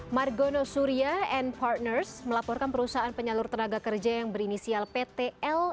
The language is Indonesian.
margono surya and partners melaporkan perusahaan penyalur tenaga kerja yang berinisial ptl